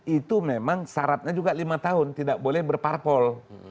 itu memang syaratnya juga lima tahun tidak boleh berparpol